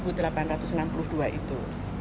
seribu delapan ratus enam puluh dua itu